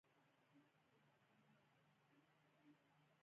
افغانستان د د هېواد مرکز په برخه کې نړیوالو بنسټونو سره کار کوي.